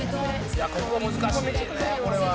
「いやここ難しいよねこれは」